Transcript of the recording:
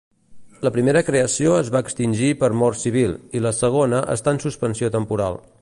La primera creació es va extingir per mort civil i la segona està en suspensió temporal.